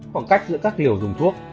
khoảng cách giữa các liều dùng thuốc